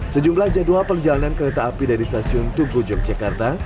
sejumlah jadwal perjalanan kereta api dari stasiun tugu yogyakarta